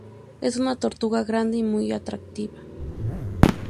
Es una tortuga grande y muy atractiva.